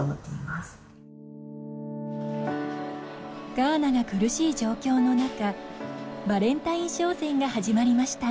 ガーナが苦しい状況のなかバレンタイン商戦が始まりました。